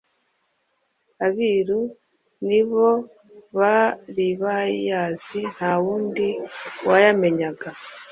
Abiru nibobaribayazi ntawundi wayamenyaga